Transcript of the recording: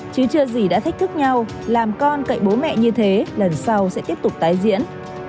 chứ chưa gì đã thách thức nhau làm con cậy bố mẹ như thế lần sau sẽ tiếp tục tái diễn